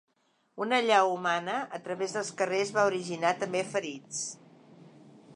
Una allau humana a través dels carrers va originar també ferits.